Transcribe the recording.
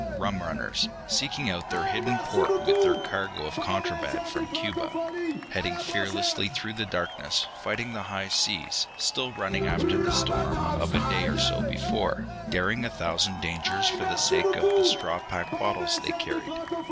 Rum runners, seeking out their hidden port with their cargo of contraband from Cuba. Heading fearlessly through the darkness, fighting the high seas, still running after the storm of a day or so before, daring a thousand dangers for the sake of the straw packed bottles they carried.